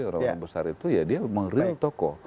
orang besar itu ya dia meril toko